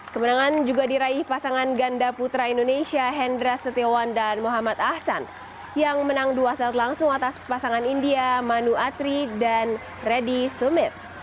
kemenangan juga diraih pasangan ganda putra indonesia hendra setiawan dan muhammad ahsan yang menang dua set langsung atas pasangan india manu atri dan reddy sumit